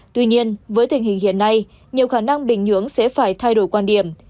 tuy nhiên với tình hình hiện nay nhiều khả năng bình nhưỡng sẽ phải thay đổi quan điểm